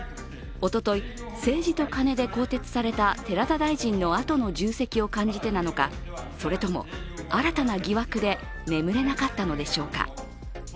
おととい、政治とカネで更迭された寺田大臣のあとの重責を感じてなのかそれとも新たな疑惑で眠れなかったのでしょうか。